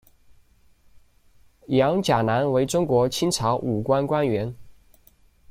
杨钾南为中国清朝武官官员。